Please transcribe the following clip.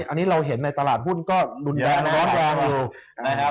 อันนี้เราเห็นในตลาดหุ้นก็ดุลดันร้อนร้อนอยู่